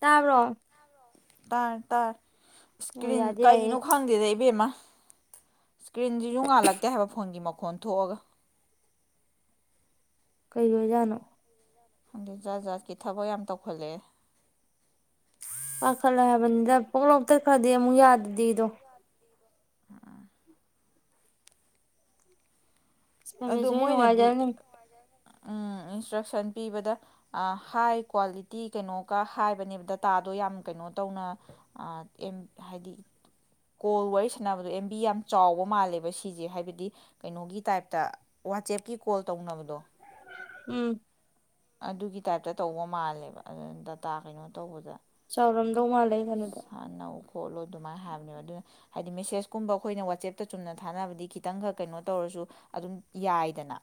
ꯇꯥꯕ꯭ꯔꯣ ꯇꯔꯦ ꯇꯔꯦ ꯑꯣ ꯁꯀꯔ꯭ꯤꯟ ꯌꯥꯗꯤ ꯌꯥꯏꯌꯦ ꯀꯩꯅꯣ ꯈꯪꯗꯦꯗ ꯏꯕꯦꯝꯃ ꯏꯁꯀ꯭ꯔꯤꯟꯖꯤꯖꯨ ꯉꯥꯜꯂꯛꯇꯦ ꯍꯥꯏꯕ ꯐꯣꯟꯒꯤ ꯃꯈꯣꯟ ꯊꯣꯛꯑꯒ ꯀꯩ ꯒꯤ ꯑꯣꯏꯖꯥꯅꯣ ꯈꯪꯗꯦ ꯖꯥꯠ ꯖꯥꯠꯀꯤ ꯊꯕꯛ ꯌꯥꯝ ꯇꯧꯈꯠꯂꯛꯑꯦ ꯄꯥꯈꯠꯂꯦ ꯍꯥꯏꯕꯅꯤꯗ ꯄꯣꯛꯂꯥꯎ ꯇꯠꯈ꯭ꯔꯗꯤ ꯑꯃꯨꯛ ꯌꯥꯗꯗꯤꯗꯣ ꯑ ꯑ [unintelligible] ꯅꯨꯡꯉꯥꯏꯖꯔꯝꯅꯤ ꯑꯪ ꯏꯟꯁꯇ꯭ꯔꯛꯁꯟ ꯄꯤꯕꯗ ꯑ ꯍꯥꯏ ꯀ꯭ꯋꯥꯂꯤꯇꯤ ꯀꯩꯅꯣꯒ ꯍꯥꯏꯕꯅꯦꯕ ꯗꯇꯥꯗꯣ ꯌꯥꯝ ꯀꯩꯅꯣ ꯇꯧꯅ ꯑ ꯑꯦꯝ ꯍꯥꯏꯗꯤ ꯀꯣꯜ ꯋꯥꯔꯤ ꯁꯥꯟꯅꯕꯗꯣ ꯑꯦꯝꯕꯤ ꯌꯥꯝ ꯆꯥꯎꯕ ꯃꯥꯜꯂꯦꯕ ꯁꯤꯖꯦ ꯍꯥꯏꯕꯗꯤ ꯀꯩꯅꯣꯒꯤ ꯇꯥꯏꯞ ꯇ ꯋꯥꯆꯦꯞꯀꯤ ꯀꯣꯜ ꯇꯧꯅꯕꯗꯣ ꯎꯝ ꯑꯗꯨꯒꯤ ꯇꯥꯏꯞꯇ ꯇꯧꯕ ꯃꯥꯜꯂꯦꯕ ꯑꯗꯨꯅ ꯗꯇꯥ ꯀꯩꯅꯣ ꯇꯧꯕꯗ ꯁꯧꯔꯝ ꯥꯁꯥꯟꯅꯧ ꯈꯣꯠꯂꯨ ꯑꯗꯨꯃꯥꯏ ꯍꯥꯏꯕꯅꯦꯕ ꯑꯗꯨꯅ ꯍꯥꯏꯗꯤ ꯃꯦꯁꯦꯁꯀꯨꯝꯕ ꯑꯩꯈꯣꯏꯅ ꯋꯥꯆꯦꯞꯇ ꯆꯨꯝꯅ ꯊꯥꯅꯕꯗꯤ ꯈꯤꯇꯪꯒ ꯀꯩꯅꯣ ꯇꯧꯔꯁꯨ ꯑꯗꯨꯝ ꯌꯥꯏꯗꯅ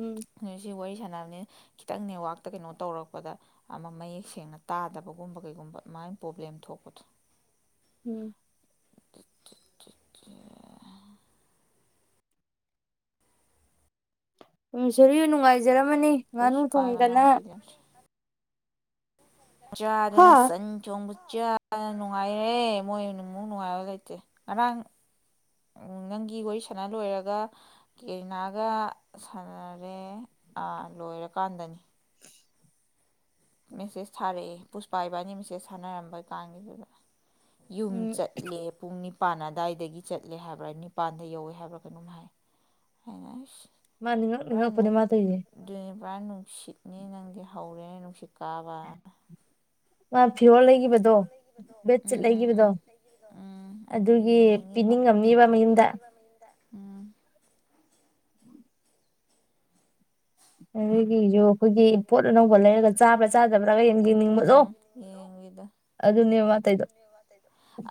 ꯎꯝ ꯁꯤ ꯋꯥꯔꯤ ꯁꯥꯟꯅꯕꯅꯤꯅ ꯈꯤꯇꯪ ꯅꯦꯠꯋꯥꯛꯇ ꯀꯩꯅꯣ ꯇꯧꯔꯛꯄꯗ ꯑꯃ ꯃꯌꯦꯛ ꯁꯦꯡꯅ ꯇꯥꯗꯕꯒꯨꯝꯕ ꯀꯩꯒꯨꯝꯕ ꯑꯗꯨꯃꯥꯏ ꯄ꯭ꯔꯣꯕ꯭ꯂꯦꯝ ꯊꯣꯛꯄꯗꯣ ꯎꯝ ꯎꯝ [unintelligible] ꯅꯨꯡꯉꯥꯏꯖꯔꯝ ꯑꯗꯨꯅꯤ ꯉꯥꯅꯨ ꯄꯨꯁ ꯄꯥꯏ ꯊꯣꯡꯗꯅ ꯃꯅꯥꯎꯄꯤꯗ ꯍꯥ ꯆꯥꯗꯅ ꯁꯟ ꯊꯣꯡꯕ ꯆꯥꯗꯅ ꯅꯨꯡꯉꯥꯏꯔꯦ ꯃꯣꯏꯃꯨꯛ ꯅꯨꯡꯉꯥꯏꯕ ꯂꯩꯇꯦ ꯉꯔꯥꯡ ꯅꯪꯒꯤ ꯋꯥꯔꯤ ꯁꯥꯟꯅ ꯂꯣꯏꯔꯒ ꯀꯦꯔꯤꯅꯥꯒ ꯁꯥꯟꯅꯔꯦ ꯑ ꯂꯣꯏꯔꯀꯥꯟꯗꯅꯤ ꯃꯦꯁꯦꯖ ꯊꯥꯔꯛꯑꯦ ꯄꯨꯁꯄ ꯏꯕꯥꯅꯤ ꯃꯦꯁꯦꯖ ꯊꯥꯅꯔꯝꯕ ꯀꯥꯟꯒꯤꯗꯨꯗ ꯌꯨꯝ ꯎꯝ ꯆꯠꯂꯦ ꯄꯨꯡ ꯅꯤ ꯄꯥꯟ ꯑꯗꯥꯏ ꯗꯒꯤ ꯆꯠꯂꯦ ꯍꯥꯏꯕ꯭ꯔꯥ ꯅꯤꯄꯥꯟꯗ ꯌꯧꯋꯦ ꯍꯥꯏꯕ꯭ꯔꯥ ꯀꯩꯅꯣꯝ ꯍꯥꯏ ꯑꯩꯅ ꯍꯩꯁ ꯃꯥ ꯅꯤꯡꯉꯛ ꯄꯨꯔꯥ ꯅꯤꯡꯉꯛꯄꯅꯦ ꯃꯥ ꯇꯧꯔꯤꯁꯦ [unintelligible] ꯑꯗꯨꯅꯤ ꯄꯨꯔꯥ ꯅꯨꯡꯁꯤꯠꯅꯤ ꯅꯪꯗꯤ ꯍꯧꯔꯦ [inaudible] ꯀꯥꯕ ꯃꯥ ꯐꯤꯔꯣꯜ ꯂꯩꯒꯤꯕꯗꯣ ꯕꯦꯠꯁꯤꯠ ꯎꯝ ꯎꯝ ꯂꯩꯈꯤꯕꯗꯣ ꯎꯝ ꯎꯝ ꯑꯗꯨꯒꯤ ꯌꯦꯡꯅꯤꯡꯉꯤꯕ ꯄꯤꯅꯤꯡꯉꯝꯅꯦꯕ ꯃꯌꯨꯝꯗ ꯎꯝ [unintelligible] ꯄꯣꯠ ꯑꯅꯧꯕ ꯂꯩꯔꯒ ꯆꯥꯕ꯭ꯔꯥ ꯆꯥꯗꯕ꯭ꯔꯥꯒ ꯌꯥꯝ ꯌꯦꯡꯅꯤꯡꯕꯗꯣ ꯎꯝ ꯌꯦꯡꯗ ꯑꯗꯨꯅꯦꯕ ꯃꯥ ꯇꯧꯏꯗꯣ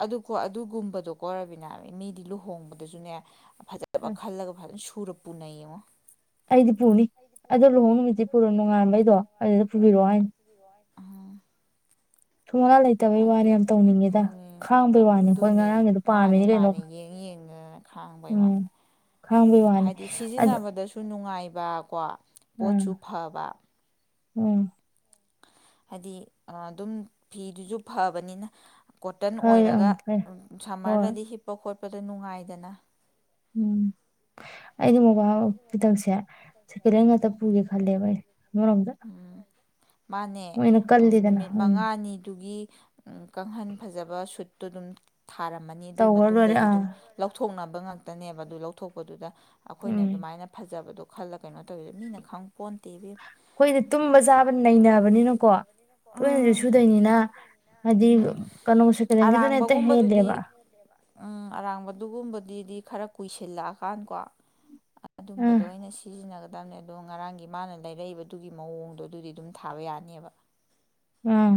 ꯑꯗꯨꯣ ꯑꯗꯨꯒꯨꯝꯕꯗꯣ ꯀꫭ ꯔꯕꯤꯅ ꯃꯤꯗꯤ ꯂꯨꯍꯣꯡꯕꯗꯁꯨꯅꯦ ꯐꯖꯕ ꯈꯜꯂꯒ ꯐꯖꯅ ꯁ ꯁꯨꯔ ꯄꯨꯅꯩꯌꯦ ꯉꫭ ꯑꯩꯗꯤ ꯄꯨꯅꯤ ꯑꯗꯣ ꯂꯨꯍꯣꯡ ꯅꯨꯃꯤꯠꯇꯤ ꯄꯨꯔꯣꯏ ꯅꯣꯡꯉꯥꯟꯕꯩꯗꯣ ꯑꯗꯨꯗ ꯄꯨꯕꯤꯔꯛꯑꯣ ꯍꯥꯏꯅꯤ ꯁꯨꯝ ꯑꯉ ꯂꯩꯇꯕꯩ ꯑꯗꯨ ꯋꯥꯅꯤ ꯌꯥꯝ ꯇꯧꯅꯤꯡꯉꯦꯗ ꯄꯨꯅꯤ ꯈꯥꯡꯕꯩ ꯋꯥꯅꯤ ꯑꯩꯀꫭ ꯑꯗꯨꯅꯦ ꯉꯔꯥꯡꯒꯤꯗꫭ ꯃꯥꯅꯦ ꯄꯥꯝꯃꯤꯅꯤ ꯀꯩꯅꯣ ꯃꯥꯅꯦ ꯌꯦꯡ ꯌꯦꯡꯗꯅ ꯈꯥꯡꯕꯩ ꯋꯥꯅꯤ ꯎꯝ ꯈꯥꯡꯕꯩ ꯋꯥꯅꯤ ꯍꯥꯏꯗꯤ ꯑꯗꯣ ꯁꯤꯖꯤꯟꯅꯕꯗꯁꯨ ꯅꯨꯡꯉꯥꯏꯕ ꯒꯀꯣ ꯎꯝ ꯄꯣꯠꯁꯨꯐꯕ ꯎꯝ ꯍꯥꯏꯗꯤ ꯑꯗꯨꯝ ꯐꯤꯗꯨꯖꯨ ꯐꯕꯅꯤꯅ ꯀꯣꯇꯟ ꯐꯔꯦ ꯎꯝ ꯑꯣꯏꯔꯒ ꯐꯔꯦ ꯍꯣꯏ ꯁꯝꯃꯔꯗꯗꯤ ꯍꯤꯞꯄ ꯈꯣꯠꯄ ꯄꯗ ꯅꯨꯡꯉꯥꯏꯗꯅ ꯎꯝ ꯑꯩꯗꯤ ꯃꯣꯕꯥꯛ ꯐꯤꯗꯛꯁꯦ ꯑꯃꯔꯣꯝꯗ ꯎꯝ ꯃꯥꯅꯦ ꯃꯣꯏꯅ ꯀꯜꯂꯤꯗꯅ ꯅꯨꯃꯤꯠ ꯎꯝ ꯃꯉꯥꯅꯤꯗꯨꯒꯤ ꯎꯝ ꯀꯥꯡꯍꯟ ꯐꯖꯕ ꯁꯨꯠꯇꯣ ꯑꯗꯨꯝ ꯊꯥꯔꯝꯃꯅꯤ ꯑꯗꯨꯒꯤ ꯇꯧꯔ ꯂꯣꯏꯔꯦ ꯃꯇꯨꯡꯗꯩꯗꯤ ꯑꯥ ꯑꯗꯨꯝ ꯂꯧꯊꯣꯛ ꯊꯣꯡꯅꯕ ꯉꯥꯛꯇꯅꯦꯕ ꯑꯗꯨ ꯂꯧꯊꯣꯛꯄꯗꯨꯗ ꯑꯈꯣꯏꯅ ꯎꯝ ꯑꯗꯨꯃꯥꯏꯅ ꯐꯖꯕꯗꯣ ꯈꯜꯂ ꯀꯩꯅꯣ ꯇꯧꯋꯤꯗ ꯃꯤꯅ ꯈꯪ ꯑꯈꯣꯏꯗꯤ ꯇꯨꯝꯕ ꯆꯥꯕ ꯅꯩꯅꯕꯅꯤꯅꯀꯣ ꯇꯣꯏꯅꯗꯤ ꯎꯝ ꯁꯨꯗꯣꯏꯅꯤꯅ ꯍꯥꯏꯗꯤ ꯎꯝ ꯀꯥꯅꯣ ꯁꯦꯀꯦꯟ ꯍꫭꯟꯒꯤꯗꯅ ꯍꯦꯛꯇ ꯑꯔꯥꯡꯕꯒꯨꯝꯕꯗꯨꯗꯤ ꯍꯦꯜꯂꯦꯕ ꯑꯗꯨꯒꯨꯝꯕꯗꯨꯗꯤ ꯈꯔ ꯀꯨꯏꯁꯜꯂꯛꯑꯀꯥꯟꯀꯣ ꯑꯥ ꯑꯗꯨꯝꯕꯗꯣ ꯑꯣꯏꯅ ꯁꯤ ꯒꯗꯕꯅꯦ ꯑꯗꯣ ꯉꯔꯥꯡꯒꯤ ꯃꯥꯅ ꯂꯩꯔꯛꯏꯕꯗꯨꯒꯤ ꯃꯑꯣꯡꯗꯣ ꯑꯗꯨꯗꯤ ꯑꯗꯨꯝ ꯊꯥꯕ ꯌꯥꯅꯦꯕ ꯑꯥ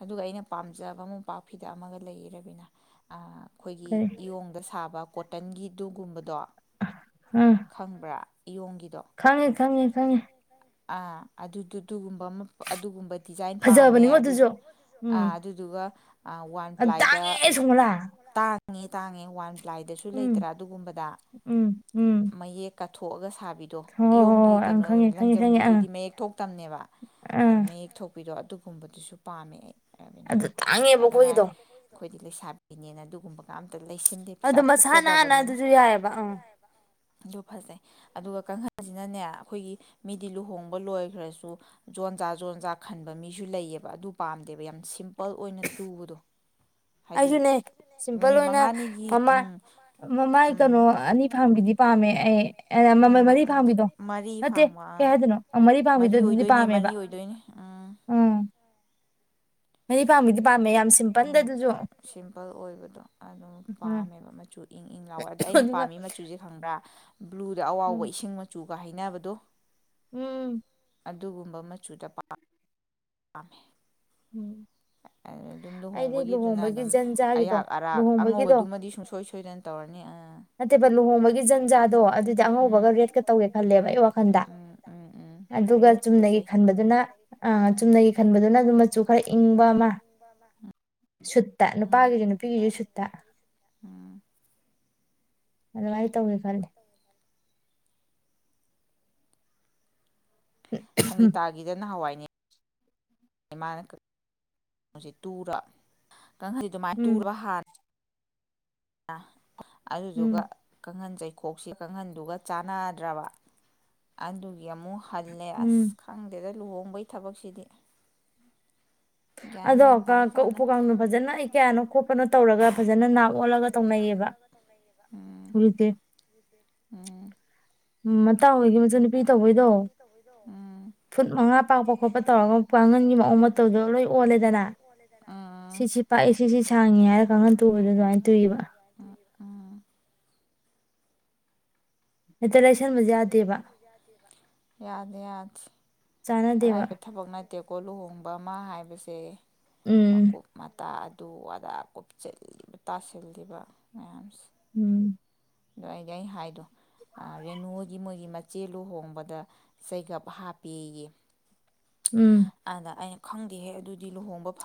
ꯑꯗꯨꯒ ꯑꯩꯅ ꯄꯥꯝꯖꯕ ꯃꯣꯝꯄꯥꯛ ꯐꯤꯗꯛ ꯑꯃꯒ ꯂꯩꯌꯦ ꯔꯥꯕꯤꯅ ꯑꯥ ꯑꯈꯣꯏꯒꯤ ꯀꯔꯤ ꯏꯌꯣꯡꯗ ꯁꯥꯕ ꯀꯣꯇꯟꯒꯤꯗꯨꯒꯨꯝꯕꯗꯣ ꯎꯝ ꯈꯪꯕ꯭ꯔꯥ ꯏꯌꯣꯡꯒꯤꯗꯣ ꯈꯪꯉꯦ ꯈꯪꯉꯦ ꯈꯪꯉꯦ ꯑ ꯑꯗꯨ ꯗꯨ ꯑꯗꯨꯒꯨꯝꯕ ꯑꯃ ꯑꯗꯨꯒꯨꯝꯕ ꯗꯤꯖꯥꯏꯟ ꯄꯥꯝꯃꯦ ꯐꯖꯕꯅꯤꯉꯣ ꯑꯗꯨ ꯑꯗꯨꯁꯨ ꯑ ꯎꯝ ꯑꯗꯨꯗꯨꯒ ꯋꯥꯟ ꯑꯗꯨ ꯄ꯭ꯂꯥꯏꯗ ꯇꯥꯡꯉꯦ ꯁꯣꯃꯣꯂꯥ ꯇꯥꯡꯉꯦ ꯇꯥꯡꯉꯦ ꯋꯥꯟ ꯂꯥꯏꯗꯁꯨ ꯎꯝ ꯂꯩꯇ꯭ꯔꯥ ꯑꯗꯨꯒꯨꯝꯕꯗ ꯎꯝ ꯎꯝ ꯃꯌꯦꯛ ꯀꯠꯊꯣꯛꯑꯒ ꯁꯥꯕꯤꯗꯣ ꯍꯣꯏ ꯍꯣꯏ ꯍꯣꯏ ꯏꯌꯣꯡꯒꯤ ꯍꯣꯏ ꯑꯪ ꯀꯩꯅꯣ ꯈꯪꯉꯦ ꯈꯪꯉꯦ ꯈꯪꯉꯦ ꯑꯪ ꯂꯪꯖꯝꯒꯤꯗꯨꯗꯤ ꯃꯌꯦꯛ ꯊꯣꯛꯇꯝꯅꯦꯕ ꯑꯪ ꯑꯗꯣ ꯃꯌꯦꯛ ꯊꯣꯛꯄꯤꯗꯣ ꯑ ꯑꯗꯨꯒꯨꯝꯕꯗꯨꯁꯨ ꯄꯥꯝꯃꯦ ꯑꯩ ꯔꯕꯤꯅꯥ ꯑꯗꯨ ꯇꯥꯡꯉꯦꯕ ꯄꯩꯁꯥꯗ ꯉꯥꯏ ꯑꯩꯈꯣꯏꯒꯤꯗꯣ ꯑꯩꯈꯣꯏꯗꯤ ꯂꯩꯁꯥꯕꯤꯅꯦꯅ ꯑꯗꯨꯒꯨꯝꯕ ꯀ ꯑꯗꯨ ꯃꯁꯥ ꯅꯥꯟꯅ ꯑꯗꯨꯁꯨ ꯌꯥꯏꯑꯕ ꯑꯝ ꯑꯗꯨ ꯐꯖꯩ ꯑꯗꯨꯒ ꯀꯥꯡꯈꯟꯁꯤꯅꯅꯦ ꯑꯩꯈꯣꯏꯒꯤ ꯃꯤꯗꯤ ꯂꯨꯍꯣꯡꯕ ꯂꯣꯏꯈ꯭ꯔꯁꯨ ꯖꯣꯟꯖꯥ ꯖꯣꯟꯖꯥ ꯈꯟꯕ ꯃꯤꯁꯨ ꯂꯩꯌꯦꯕ ꯑꯗꯨ ꯄꯥꯝꯗꯦꯕ ꯌꯥꯝ ꯁꯤꯝ ꯍꯥꯏꯗꯤ ꯑꯩꯁꯨꯅꯦ ꯁꯤꯝꯄꯜ ꯅꯨꯃꯤꯠ ꯑꯣꯏꯅ ꯃꯉꯥꯅꯤꯒꯤ ꯃꯃꯥꯏ ꯎꯝ ꯃꯃꯥꯏ ꯎꯝ ꯀꯩꯅꯣ ꯑꯅꯤ ꯐꯥꯝꯒꯤꯗꯤ ꯄꯥꯝꯃꯦ ꯑꯦ ꯃꯃꯜ ꯎꯝ ꯃꯔꯤ ꯎꯝ ꯄꯥꯝꯕꯤꯗꯣ ꯃꯔꯤ ꯅꯠꯇꯦ ꯐꯥꯡꯕ ꯀꯩ ꯑꯥ ꯍꯥꯏꯗꯣꯏꯅꯣ ꯃꯔꯤ ꯄꯥꯝꯕꯤꯗꯣ ꯑꯗꯨꯗꯤ ꯑꯣꯏꯗꯣꯏꯅꯦ ꯄꯥꯝꯃꯦꯕ ꯃꯔꯤ ꯑꯣꯏꯗꯣꯏꯅꯦ ꯎꯝ ꯃꯥꯔꯤ ꯎꯝ ꯁꯤꯝꯄꯜ ꯑꯣꯏꯕꯗꯣ ꯑꯗꯨꯝ ꯎꯝ ꯄꯥꯝꯃꯦꯕ ꯃꯆꯨ ꯏꯪ ꯏꯪ ꯂꯥꯎꯋꯦ ꯑꯗꯤ ꯑꯩꯅ ꯑꯗꯨꯒ ꯄꯥꯝꯃꯤ ꯃꯆꯨꯁꯦ ꯈꯪꯕ꯭ꯔꯥ ꯕ꯭ꯂꯨꯗ ꯎꯝ ꯑꯋꯥꯥꯎꯕ ꯏꯁꯤꯡ ꯃꯆꯨ ꯑꯗꯨꯒ ꯍꯩꯅꯕꯗꯣ ꯎꯝ ꯑꯗꯨꯒꯨꯝꯕ ꯃꯆꯨꯗ ꯄꯥꯝ ꯄꯥꯝꯃꯦ ꯎꯝ ꯑꯗꯨꯝ ꯑꯩꯗꯤ ꯂꯨꯍꯣꯡꯕꯒꯤꯗꯨꯅ ꯂꯨꯍꯣꯡꯕꯒꯤ ꯑꯗꯨꯝ ꯖꯟꯖꯥꯒꯤꯗꯣ ꯑꯌꯥꯥꯛ ꯑꯔꯥꯛ ꯂꯨꯍꯣꯡꯕꯒꯤꯗꯣ ꯑꯉꯧꯕꯗꯨꯃꯗꯤ ꯁꯨꯡꯁꯣꯏ ꯁ ꯁꯣꯏꯗꯅ ꯇꯧꯔꯅꯤ ꯑ ꯇꯦꯕꯜ ꯂꯨꯍꯣꯡꯕꯒꯤ ꯖꯟꯖꯥꯗꯣ ꯑꯗꯨꯗꯤ ꯎꯝ ꯑꯉꯧꯕꯒ ꯔꯦꯠꯀ ꯇꯧꯒꯦ ꯈꯜꯂꯦꯕ ꯑꯩ ꯋꯥꯈꯟꯗ ꯎꯝ ꯎꯝ ꯎꯝ ꯑꯗꯨꯒ ꯔꯦꯠ ꯆꯨꯝꯅꯒꯤ ꯐꯖꯩ ꯈꯟꯕꯗꯨꯅ ꯑ ꯆꯨꯝꯅꯒꯤ ꯈꯟꯕꯗꯨꯅ ꯑꯗꯨꯝ ꯃꯆꯨ ꯈꯔ ꯏꯪꯕ ꯑꯃ ꯁꯨꯠꯇ ꯎꯝ ꯅꯨꯄꯥꯒꯤꯁꯨ ꯅꯨꯄꯤꯒꯤꯁꯨ ꯁꯨꯠꯇ ꯎꯝ ꯑꯗꯨꯒ ꯑꯩ ꯇꯧꯋꯦ ꯈꯂꯦ ꯁꯪꯒꯤꯇꯥꯒꯤꯗ ꯅ ꯍꯥꯟꯋꯥꯏꯅꯦ ꯃꯥꯅ ꯇꯨꯔ ꯀꯥꯡꯍꯁꯤ ꯑꯗꯨꯃꯥꯏꯅ ꯎꯝ ꯇꯨꯒ ꯍꯥꯥꯟꯔꯦ ꯑ ꯎꯝ ꯑꯗꯨꯗꯨꯒ ꯀꯪꯍꯟꯖꯩ ꯎꯈꯣꯛꯁꯤꯦ ꯀꯥꯡꯍꯟꯗꯨꯒ ꯆꯥꯟꯅꯗ꯭ꯔꯕ ꯑꯗꯨ ꯑꯃꯨꯛ ꯍꯜꯂꯦ ꯎꯝ ꯑꯁ ꯈꯪꯗꯦꯗ ꯂꯨꯍꯣꯡ ꯍꯪꯕꯩ ꯊꯕꯛꯁꯤꯗꯤ ꯒ꯭ꯌꯥꯟ ꯑꯗꯣ ꯃꯦꯟ ꯇꯥꯕꯖꯠ ꯎꯄꯨ ꯅꯥꯇꯦ ꯀꯥꯡꯗꯣꯟ ꯐꯖꯅ ꯑꯩ ꯀꯌꯥꯅꯣ ꯈꯣꯠꯄꯅꯣ ꯇꯧꯔꯒ ꯐꯖꯅ ꯅꯥꯞ ꯑꯣꯜꯂꯒ ꯇꯧꯅꯩꯌꯦꯕ ꯎꯝ ꯍꯧꯖꯤꯛꯇꯤ ꯎꯝ ꯎꯝ ꯃꯇꯥꯡ ꯑꯣꯏꯗꯅꯁꯨ ꯅꯨꯄꯤ ꯇꯧꯕꯣꯏꯗꯣ ꯐꯨꯠ ꯃꯉꯥ ꯄꯥꯛꯄ ꯈꯣꯠꯄ ꯃꯉꯥ ꯇꯧꯔꯒ ꯄꯥꯛꯄ ꯈꯣꯠꯄ ꯀꯥꯡꯒꯟꯒꯤ ꯃꯑꯣꯡ ꯃꯇꯧꯗꯣ ꯂꯣꯏ ꯇꯧꯔꯒꯉꯒꯤꯑꯣꯡ ꯃꯇꯧꯗ ꯑꯣꯜꯂꯦꯗꯅ ꯅꯣꯏ ꯁꯤꯁꯤ ꯄꯥꯛꯏ ꯁꯤꯁꯤ ꯁꯥꯡꯉꯤ ꯍꯥꯏꯔ ꯑꯣꯜꯂꯦꯗꯅꯥꯛꯑꯦꯁꯤ ꯀꯥꯡꯈꯟ ꯁꯥꯡꯉꯦ ꯇꯨꯕꯗꯣ ꯍꯥꯏꯔ ꯑꯗꯨꯃꯥꯏꯅ ꯇꯨꯏꯕ [unintelligible] ꯌꯥꯗꯦꯕ ꯌꯥꯗꯦ ꯌꯥꯗꯦ ꯆꯥꯟꯅꯗꯦꯕ ꯑꯔꯥꯏꯕ ꯊꯕꯛꯅ ꯇꯦꯀꯣ ꯂꯨꯍꯣꯡꯕ ꯑꯃ ꯍꯥꯏꯕꯁꯦ ꯎꯝ ꯃꯀꯨꯞ ꯃꯇꯥ ꯑꯗꯨ ꯑꯗꯥ ꯀꯨꯞꯁꯤꯜꯂꯤꯕ ꯇꯁꯤꯜꯂꯤꯕ ꯃꯌꯥꯝꯁꯦ ꯎꯝ ꯑꯗꯨ ꯑꯩꯗꯤ ꯑꯩꯅ ꯍꯥꯏꯗꯣ ꯔꯦꯅꯨꯒꯤ ꯃꯣꯏꯒꯤ ꯃꯆꯦꯜ ꯂꯨꯍꯣꯡꯕꯗ ꯆꯩꯒꯞ ꯍꯥꯞꯄꯦꯌꯦ ꯑꯗ ꯑꯩ ꯈꯪꯗꯦꯍꯦ ꯑꯗꯨ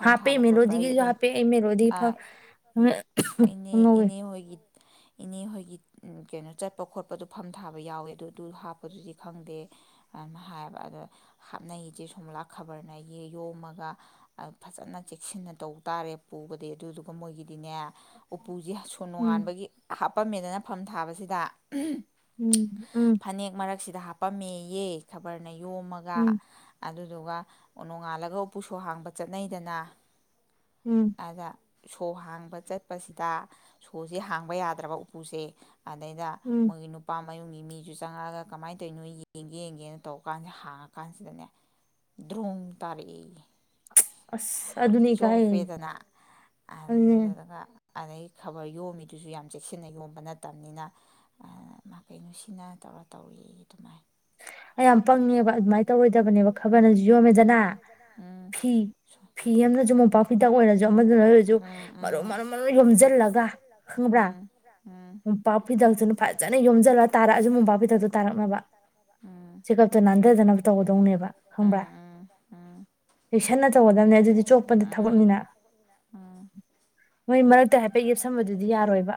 ꯍꯥꯄꯦ ꯏ ꯃꯦꯔꯣꯗꯒꯤꯁꯨ ꯍꯥꯞꯄꯦ ꯏꯅꯦ ꯃꯂꯣꯗꯤꯪꯉꯧꯋꯦ ꯏꯅꯦ ꯍꯣꯏꯒꯤ ꯏꯅꯦ ꯍꯣꯌꯒꯤ ꯀꯩꯅꯣ ꯆꯠꯄ ꯈꯣꯠꯄꯗꯣ ꯐꯝ ꯊꯥꯕ ꯌꯥꯎꯋꯦ ꯑꯗꯨ ꯑꯗꯨ ꯍꯥꯞꯄꯗꯨꯗꯤ ꯈꯪꯗꯦ ꯑꯗꯨꯅ ꯍꯥꯏꯌꯦꯕ ꯑꯗꯣ ꯍꯥꯞꯅꯩꯁꯦ ꯁꯣꯝꯂꯥꯛ ꯈꯕꯔꯅ ꯌꯣꯝꯃꯒ ꯐꯖꯅ ꯆꯦꯛꯁꯤꯟꯅ ꯇꯧ ꯇꯥꯔꯦ ꯄꯨꯕꯗꯤ ꯑꯗꯨꯗꯨꯒ ꯃꯣꯏꯒꯤꯗꯤꯅꯦ ꯎꯄꯨꯁꯦ ꯁꯣꯟ ꯎꯝ ꯅꯣꯡꯉꯥꯟꯕꯒꯤ ꯍꯥꯞ ꯄꯥꯝꯃꯦꯗꯅ ꯐꯝ ꯊꯥꯕꯁꯤꯗ ꯎꯝ ꯎꯝ ꯁꯤꯗ ꯍꯥꯞꯄꯝꯃꯦꯌꯦ ꯈꯕꯔꯅ ꯌꯣꯝꯃꯒ ꯎꯝ ꯑꯗꯨ ꯑꯗꯨꯒ ꯅꯣꯡꯉꯥꯜꯂꯒ ꯎꯄꯨꯁꯨ ꯍꯥꯡꯕ ꯆꯠꯅꯩꯗꯅ ꯎꯝ ꯑꯗ ꯁꯣ ꯍꯥꯡꯕ ꯆꯠꯄꯁꯤꯗ ꯁꯣꯁꯦ ꯍꯥꯡꯕ ꯌꯥꯗ꯭ꯔꯕ ꯎꯄꯨꯁꯦ ꯑꯗꯩꯗ ꯎꯝ ꯃꯣꯏꯒꯤ ꯅꯨꯄꯥ ꯃꯌꯨꯝꯒꯤ ꯃꯤꯁꯨ ꯆꯪꯉꯛꯑꯒ ꯀꯃꯥꯏꯅ ꯇꯧꯔꯤꯅꯣ ꯌꯦꯡꯒꯦ ꯌꯦꯡꯒꯦꯅ ꯇꯧꯔ ꯀꯥꯟꯁꯤꯗ ꯍꯥꯡꯉꯀꯥꯟꯁꯤꯗꯅꯦ ꯗ꯭ꯔꯣꯡ ꯇꯥꯔꯛꯏ ꯑꯁ ꯑꯙꯨꯅꯤ ꯀꯑ ꯄꯤꯗꯅ ꯑꯗꯨꯗꯨꯗꯨꯒ ꯑꯩ ꯈꯕꯔ ꯌꯣꯝꯃꯤꯗꯨꯁꯨ ꯌꯥꯝ ꯆꯦꯛꯁꯤꯟꯅ ꯌꯣꯝꯕ ꯅꯠꯇꯕꯅꯤꯅ ꯃꯥꯀꯩ ꯅꯨꯡꯁꯤꯅ ꯇꯧꯔ ꯇꯧꯔꯤ ꯑꯗꯨꯃꯥꯏꯅ ꯑꯩ ꯌꯥꯝ ꯄꯪꯉꯦꯕ ꯑꯗꯨꯃꯥꯏꯅ ꯇꯧꯔꯣꯏꯗꯕꯅꯦꯕ ꯈꯕꯔꯅꯁꯨ ꯌꯣꯝꯃꯦꯗꯅ ꯎꯝ ꯐꯤ ꯐꯤ ꯑꯃꯅꯁꯨ ꯃꯣꯝꯄꯥꯛ ꯐꯤꯗꯛ ꯑꯣꯏꯔꯁꯨ ꯑꯃꯗꯨꯅ ꯑꯣꯏꯔꯁꯨ ꯃꯔꯨ ꯃꯔꯨ ꯃꯔꯨ ꯌꯣꯝꯁꯤꯜꯂꯒ ꯈꯪꯕ꯭ꯔꯥ ꯃꯣꯝꯄꯥꯛ ꯐꯤꯗꯛꯇꯨꯅ ꯐꯖꯅ ꯌꯣꯝꯁꯤꯜꯂ ꯇꯥꯔꯛꯑꯁꯨ ꯃꯣꯝꯄꯥꯛꯄꯤꯤꯗꯛꯇꯨ ꯇꯥꯔꯛꯅꯕ ꯆꯦꯒꯥꯞ ꯄꯠꯇ ꯅꯥꯟꯊꯗꯅꯕ ꯇꯧꯒꯗꯧꯅꯦꯕ ꯈꯪꯕ꯭ꯔꯥ ꯌꯦꯛꯁꯟꯅ ꯇꯧꯒꯗꯕꯅꯦ ꯑꯗꯨꯗꯤ ꯆꯣꯞꯄꯗꯤ ꯊꯕꯛꯅꯤꯅ ꯃꯣꯏ ꯃꯔꯛꯇ ꯍꯥꯏꯐꯦꯠ ꯌꯦꯞꯁꯟꯕꯗꯨꯗꯤ ꯌꯥꯔꯣꯏꯕ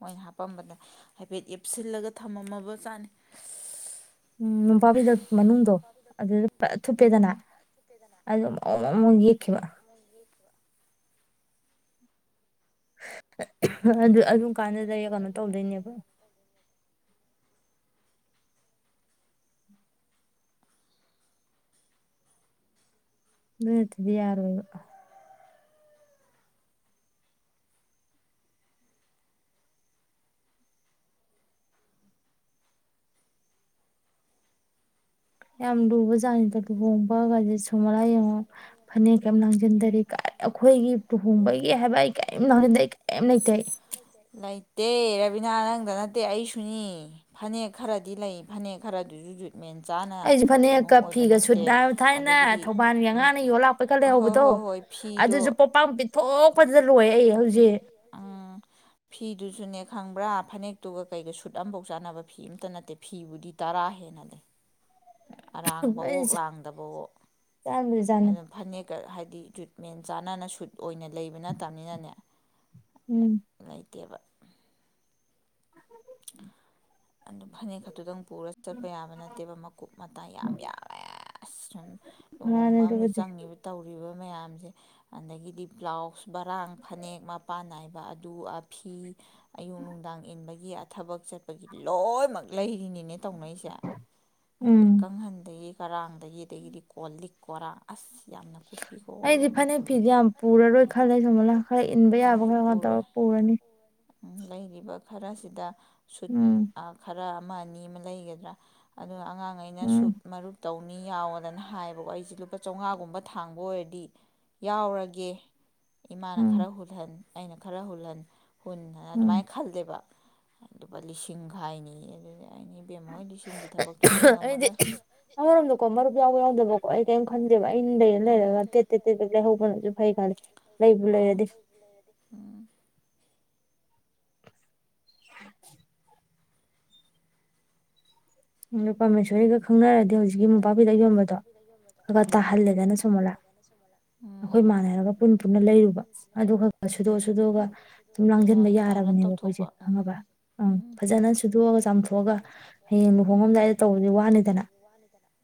ꯃꯣꯏꯅ ꯍꯥꯄꯝꯕꯗ ꯍꯥꯏꯐꯦꯠ ꯌꯦꯞꯁꯤꯜꯂꯒ ꯊꯝꯃꯝꯃꯕ ꯆꯥꯠꯅꯤ ꯎꯝ ꯃꯣꯟꯄꯥꯛꯐꯤꯗꯠ ꯃꯅꯨꯡꯗꯣ ꯑꯗꯨꯗ ꯐꯖꯅꯥ ꯎꯝ ꯊꯨꯞꯄꯦꯗꯅ ꯑꯗꯨ ꯒ ꯃꯑꯣꯡ ꯃꯑꯣꯡ ꯈꯤꯕ ꯑꯗꯨ ꯑꯗꯨꯝ ꯀꯥꯟꯗꯨꯗꯩ ꯀꯩꯅꯣ ꯇꯧꯗꯣꯏꯅꯦꯕ ꯑꯗꯨ ꯅꯠꯇꯔꯗꯤ ꯌꯥꯔꯣꯏꯖ ꯌꯥꯝ ꯂꯨꯕ ꯖꯥꯠꯅꯤꯗ ꯂꯨꯍꯣꯡꯕꯒ ꯁꯨꯝ ꯃꯔ [unintelligible] ꯂꯥ ꯌꯦꯡꯉꯣ ꯐꯅꯦꯛ ꯀꯩ ꯂꯥꯡꯁꯤꯟꯗꯔꯤ ꯀ ꯑꯩꯈꯣꯏꯒꯤ ꯂꯨꯍꯣꯡꯕꯒꯤ ꯍꯥꯏꯕ ꯑꯩ ꯀꯔꯤꯝ ꯂꯥꯡꯁꯤꯟꯗꯦ ꯑꯩ ꯀꯔꯤꯝ ꯂꯩꯇꯩ ꯇꯦ ꯔꯕꯤꯅꯥ ꯅꯪꯗ ꯅꯠꯇꯦ ꯑꯩꯁꯨꯅꯤ ꯐꯅꯦꯛ ꯈꯔꯗꯤ ꯂꯩ ꯐꯅꯦꯛ ꯈꯔꯗꯨꯁꯨ ꯃꯦꯟꯆꯥꯅ ꯀ ꯐꯤꯒ ꯁꯨꯠ ꯊꯥꯏꯅ ꯊꯧꯕꯥꯜꯒꯤ ꯑꯉꯥꯡꯅ ꯌꯣꯜꯂꯥꯛꯄꯩ ꯈꯔ ꯍꯣꯏ ꯂꯩꯍꯧꯕꯗꯣ ꯍꯣꯏ ꯍꯣꯏ ꯐꯤꯗꯣ ꯑꯗꯨꯁꯨ ꯄꯣꯠꯄꯥꯡ ꯄꯤꯊꯣꯛꯄꯗꯥꯗ ꯂꯣꯏ ꯔꯦ ꯍꯧꯖꯤꯛ ꯎꯝ ꯐꯤꯗꯨꯁꯨꯅꯦ ꯈꯪꯕ꯭ꯔꯥ ꯐꯅꯦꯛꯇꯨꯒ ꯀꯩꯒ ꯁꯨꯠ ꯑꯃꯐꯥꯎ ꯆꯥꯅꯕ ꯐꯤ ꯑꯃꯇ ꯅꯠꯇꯦ ꯐꯤꯕꯨꯗꯤ ꯇꯔꯥ ꯍꯦꯟꯅ ꯂꯩ ꯑꯔꯥꯡꯕ ꯑꯣ ꯑꯩꯅ ꯂꯥꯡꯗꯕ ꯑꯣ ꯆꯥꯕꯨꯗꯤ ꯆꯥꯅꯤꯡ ꯑꯗꯨꯅ ꯐꯅꯦꯛꯀ ꯍꯥꯏꯗꯤ ꯖꯨꯠꯃꯦꯟ ꯆꯥꯟꯅꯅ ꯁꯨꯠ ꯑꯣꯏꯅ ꯂꯩꯕ ꯅꯠꯇꯕꯅꯤꯅꯅꯦ ꯎꯝ ꯂꯩꯇꯦꯕ [inaudible] ꯑꯗꯨ ꯐꯅꯦꯛ ꯈꯛꯇꯨꯗꯪ ꯄꯨꯔꯒ ꯆꯠꯄ ꯌꯥꯕ ꯅꯠꯇꯦꯕ ꯃꯀꯨꯞ ꯃꯇꯥ ꯌꯥꯝ ꯌꯥꯃꯦ ꯑꯁ ꯁꯨꯝ ꯃꯥꯅꯦ ꯂꯨꯍꯣꯡꯕ ꯑꯃꯗ ꯑꯗꯨꯕꯨꯗꯤ ꯆꯪꯉꯤꯕ ꯇꯧꯔꯤꯕ ꯃꯌꯥꯝꯁꯦ ꯑꯗꯒꯤꯗꯤ ꯕ꯭ꯂꯥꯎꯁ ꯃꯔꯥꯡ ꯐꯅꯦꯛ ꯃꯄꯥꯟ ꯅꯥꯏꯕꯤ ꯑꯗꯨ ꯐꯤ ꯑꯌꯨꯛ ꯅꯨꯡꯗꯥꯡ ꯏꯟꯕꯒꯤ ꯊꯕꯛ ꯆꯠꯄꯒꯤ ꯂꯣꯏꯅꯃꯛ ꯂꯩꯔꯤꯅꯤ ꯇꯧꯅꯔꯤꯁꯦ ꯎꯝ ꯀꯥꯡꯒꯟꯗꯒꯤ ꯉꯔꯥꯡ ꯗꯒꯤ ꯀꯣꯜ ꯂꯤꯛ ꯀꯣꯔꯥ ꯑꯁꯁ ꯑꯩꯗꯤ ꯐꯅꯦꯛ ꯐꯤꯗꯤ ꯌꯥꯝ ꯐꯅꯦꯛ ꯐꯤꯒ ꯄꯨꯔꯔꯣꯏ ꯌꯥꯝ ꯈꯜꯂꯦ ꯁꯣꯃꯂ ꯄꯨꯔꯔꯣꯏ ꯈꯔ ꯈꯜꯂꯦ, ꯏꯟꯕ ꯌꯥꯕ ꯑꯩꯁꯨ ꯈꯔ ꯈꯔ ꯄꯨꯔꯣꯏ ꯇꯧꯔ ꯄꯨꯔꯅꯤ ꯂꯩꯔꯤꯕ ꯈꯔꯁꯤꯗ ꯁꯨꯠ ꯎꯝ ꯑ ꯈꯔ ꯑꯃ ꯑꯅꯤ ꯑꯃ ꯂꯩꯒꯗꯔꯥ ꯑꯗꯨꯒ ꯑꯉꯥꯡ ꯒꯩꯅ ꯎꯝ ꯁꯨꯠ ꯃꯔꯨꯞ ꯇꯧꯅꯤ ꯌꯥꯎꯋꯣꯗꯅ ꯍꯥꯏꯌꯦꯕꯀꯣ ꯑꯩꯁꯦ ꯂꯨꯄꯥ ꯆꯥꯝꯃꯉꯥꯒꯨꯝꯕ ꯊꯥꯡꯕ ꯑꯣꯏꯔꯗꯤ ꯌꯥꯎꯔꯒꯦ ꯏꯃꯥꯅ ꯎꯝ ꯈꯔ ꯍꯨꯜꯍꯟ ꯑꯩꯅ ꯈꯔ ꯍꯨꯜꯍꯟ ꯍꯨꯟ ꯍꯥꯏꯅ ꯎꯝ ꯑꯗꯨꯃꯥꯏꯅ ꯈꯜꯂꯦꯕ ꯑꯗꯨꯒ ꯂꯤꯁꯤꯡ ꯈꯥꯏꯅꯤ ꯌꯦ ꯑꯗꯨꯗꯤ ꯀꯩꯥ ꯕꯦꯝ ꯍꯣꯏ ꯂꯤꯁꯤꯡꯒꯤ ꯊꯕꯛꯇꯨꯗꯤ ꯑꯩ ꯑꯩꯗꯤ ꯉꯝꯃꯔꯣꯏ ꯑꯃꯔꯣꯝꯗꯀꯣ ꯃꯔꯨꯞ ꯌꯥꯎꯕ ꯌꯥꯎꯗꯕꯀꯣ ꯑꯩ ꯀꯔꯤꯝ ꯈꯟꯗꯦꯕ ꯑꯩꯅ ꯂꯩꯔ ꯎꯝ ꯂꯩꯔꯒ ꯇꯦꯠ ꯇꯦꯠ ꯇꯦꯠ ꯇꯦꯠ ꯂꯩꯍꯧꯕꯅꯁꯨ ꯐꯩ ꯈꯜꯂꯤ ꯂꯩꯕꯨ ꯃꯥ ꯂꯩꯔꯗꯤ ꯎꯝ [inaudible] ꯎꯝ ꯄꯔꯃꯦꯁꯣꯔꯤꯒ ꯈꯪꯅꯔꯗꯤ ꯍꯧꯖꯤꯛꯀꯤ ꯃꯣꯝꯄꯥꯛꯐꯤꯗꯛ ꯌꯣꯟꯕꯗꯣ ꯈꯔꯒ ꯎꯝ ꯇꯥꯍꯜꯂꯦꯗꯅ ꯁꯣꯃꯣꯂꯥ ꯑꯩꯈꯣꯏ ꯎꯝ ꯃꯥꯟꯅꯔꯒ ꯄꯨꯟ ꯄꯨꯟꯅ ꯂꯩꯔꯨꯕ ꯑꯗꯨ ꯈꯔꯒ ꯈꯔꯒ ꯁꯨꯗꯣꯛꯑ ꯁꯨꯗꯣꯛꯑꯒ ꯁꯨꯝ ꯂꯥꯡꯁꯤꯟꯕ ꯌꯥꯏ ꯑꯥꯏꯔꯟ ꯌꯥꯔꯕꯅꯦꯕ ꯑꯩꯈꯣꯏꯁꯦ ꯇꯧꯊꯣꯛꯄ ꯈꯪꯉꯕ꯭ꯔꯥ ꯎꯝ ꯎꯝ ꯐꯖꯅ ꯁꯨꯗꯣꯛꯑꯒ ꯆꯥꯝꯊꯣꯛꯑꯒ ꯍꯌꯦꯡ꯫ ꯎꯝ ꯂꯨꯍꯣꯡꯉꯝꯗ꯫ ꯇꯧꯕꯗꯤ ꯋꯥꯅꯤꯗꯅ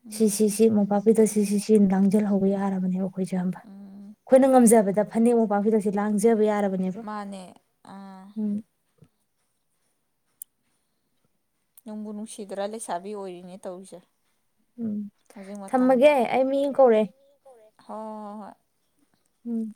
ꯎꯝ ꯁꯤꯁꯤ ꯁꯤ ꯃꯣꯝꯄꯥꯛꯄꯤꯗꯛ ꯁꯤ ꯁꯤ ꯁꯤ ꯂꯥꯡꯁꯤꯜꯍꯧꯕ ꯌꯥꯔꯕꯅꯦꯕ ꯑꯩꯈꯣꯏꯁꯦ ꯈꯪꯕ ꯎꯝ ꯑꯩꯈꯣꯏꯅ ꯎꯝ ꯉꯝꯖꯕꯗ ꯐꯅꯦꯛ ꯃꯣꯝꯄꯥꯛꯄꯤꯗꯁꯤ ꯂꯥꯡꯖꯕ ꯌꯥꯔꯕꯅꯦꯕ ꯃꯥꯅꯦ ꯑꯥ ꯎꯝ꯫ ꯅꯨꯡꯕꯨ ꯅꯨꯡꯁꯤꯗ꯭ꯔꯥ ꯂꯩꯁꯥꯕꯤ ꯑꯣꯏꯔꯤꯅꯦ ꯇꯧꯔꯤꯁꯦ ꯎꯝ ꯍꯧꯖꯤꯛ ꯃꯇꯝꯗ ꯊꯝꯃꯒꯦ ꯑꯩ ꯃꯤ ꯑꯃ ꯀꯧꯔꯛꯑꯦ꯫ ꯍꯣꯏ ꯍꯣꯏ ꯍꯣꯏ ꯎꯝ